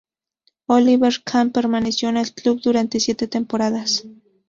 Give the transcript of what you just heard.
Oliver Kahn permaneció en el club durante siete temporadas.